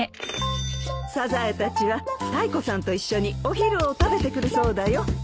サザエたちはタイコさんと一緒にお昼を食べてくるそうだよ。